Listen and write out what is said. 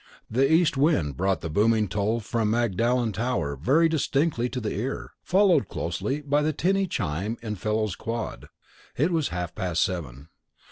The east wind brought the booming toll from Magdalen tower very distinctly to the ear, closely followed by the tinny chime in Fellows' Quad. It was half past seven.